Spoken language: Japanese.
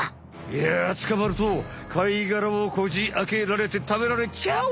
いやつかまると貝がらをこじあけられてたべられちゃう！